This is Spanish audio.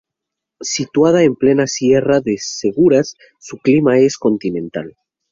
Situada en plena sierra de Seguras su clima es continental.